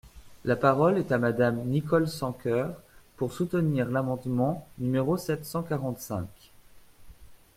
La parole est à Madame Nicole Sanquer, pour soutenir l’amendement numéro sept cent quarante-cinq.